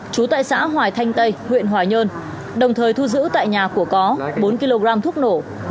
trú tại xã hoài thanh tây huyện hoài nhơn đồng thời thu giữ tại nhà của có bốn kg thuốc nổ